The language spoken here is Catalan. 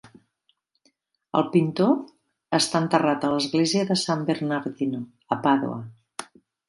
El pintor està enterrat a l'església de San Bernardino, a Pàdua.